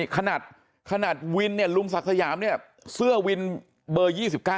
ขนาดวินเนี่ยฬุรุกศคราษัยามเซื้อวินเบอร์๒๙